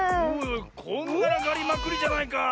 こんがらがりまくりじゃないかあ。